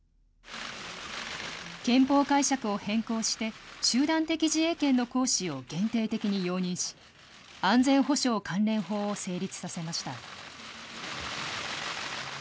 憲法解釈を変更して、集団的自衛権の行使を限定的に容認し、安全保障関連法を成立させました。